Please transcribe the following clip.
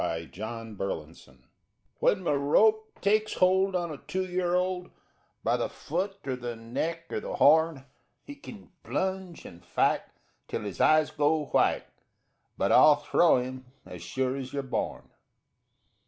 "_ THE OUTLAW When my rope takes hold on a two year old, By the foot or the neck or the horn, He kin plunge and fight till his eyes go white But I'll throw him as sure as you're born.